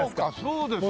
そうですよね。